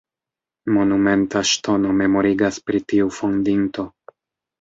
Monumenta ŝtono memorigas pri tiu fondinto.